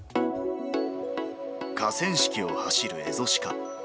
河川敷を走るエゾシカ。